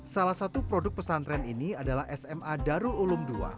salah satu produk pesantren ini adalah sma darul ulum ii